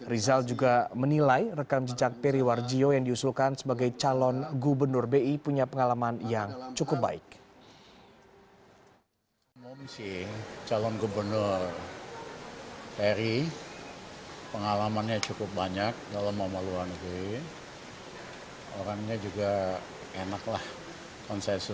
rizal juga menilai rekam jejak periwar jion yang diusulkan sebagai calon gubernur bi punya pengalaman yang cukup baik